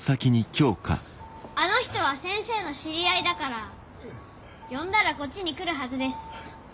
あの人は先生の知り合いだから呼んだらこっちに来るはずです。